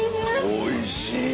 おいしい！